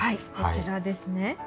こちらですね。